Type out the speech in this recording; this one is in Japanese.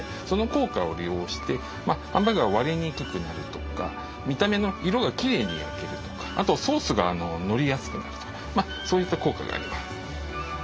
その効果を利用してハンバーグが割れにくくなるとか見た目の色がきれいに焼けるとかあとソースがのりやすくなるとかそういった効果があります。